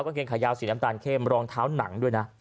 เกงขายาวสีน้ำตาลเข้มรองเท้าหนังด้วยนะ